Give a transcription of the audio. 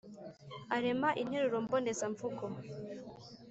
arema interuro mboneza mvugo